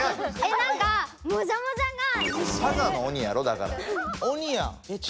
なんかもじゃもじゃがにてる。